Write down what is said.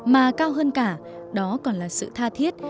mà cao hơn cả đó còn là sự tha thiết